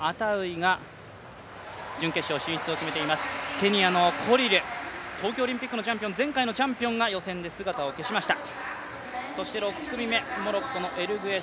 ケニアのコリル、東京オリンピックのチャンピオン、前回のチャンピオンが予選で姿を消しました。